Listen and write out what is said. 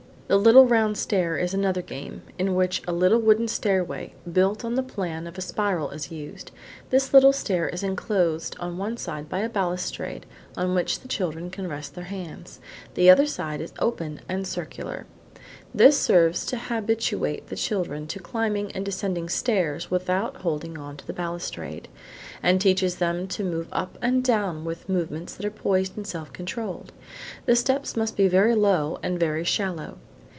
The little round stair is another game, in which a little wooden stairway, built on the plan of the spiral, is used. This little stair is enclosed on one side by a balustrade on which the children can rest their hands. The other side is open and circular. This serves to habituate the children to climbing and descending stairs without holding on to the balustrade, and teaches them to move up and down with movements that are poised and self controlled. The steps must be very low and very shallow.